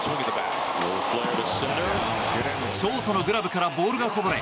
ショートのグラブからボールがこぼれ